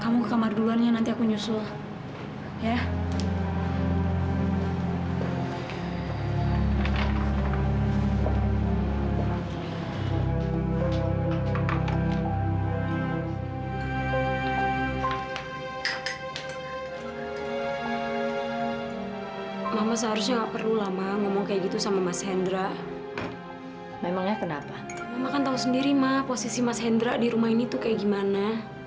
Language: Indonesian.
mama kan tahu sendiri ma posisi mas hendra di rumah ini tuh kayak gimana